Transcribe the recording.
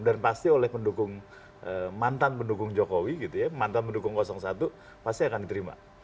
dan pasti oleh mantan pendukung jokowi mantan pendukung satu pasti akan diterima